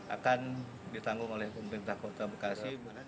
akan ditanggung oleh pemerintah kota bekasi